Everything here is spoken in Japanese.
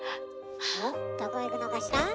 おっどこへ行くのかしら？